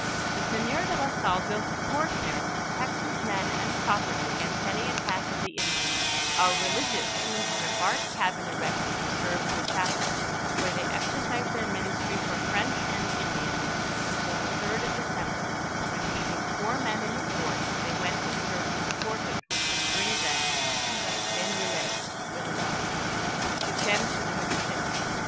The sieur de la Salle built u fort there to protect his men and property against any attack of the Indian;) ; our religious soon had a bark cabin erected to serve as a chapel, where they exercised their ministry for French and Indians until the third of December, when leaving four men in the fort, they went in search of the portage which would bring them to the Seignelay (Ilinois), which descends to the Missisipi.